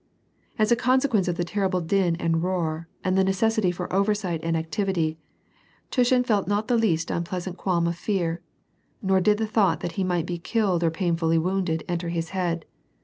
As a consequence of the terrible din and roar, and the neces sity for oversight and activity, Tushin felt not the least un pleasant qualm of fear, nor did the thought that he might be killed or painfully wounded enter his head.